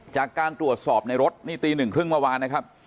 จากการตรวจสอบในรถนี่ตีหนึ่งครึ่งเมื่อวานนะครับ